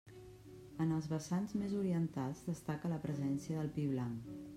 En els vessants més orientals destaca la presència de pi blanc.